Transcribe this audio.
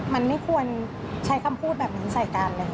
มันไม่ควรใช้คำพูดแบบนั้นใส่กันเลย